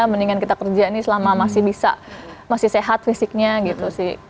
mendingan kita kerja ini selama masih bisa masih sehat fisiknya gitu sih